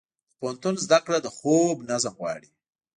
د پوهنتون زده کړه د خوب نظم غواړي.